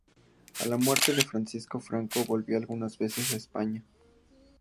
A la muerte de Francisco Franco, volvió algunas veces a España.